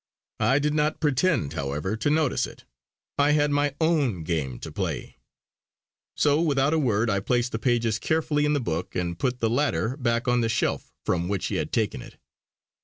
I did not pretend, however, to notice it; I had my own game to play. So without a word I placed the pages carefully in the book and put the latter back on the shelf from which he had taken it.